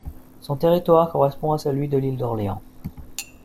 Son territoire correspond à celui de l'Île d'Orléans.